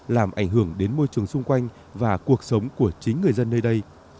làm ảnh hưởng đến môi trường xung quanh và cuộc sống của chính người dân nơi đây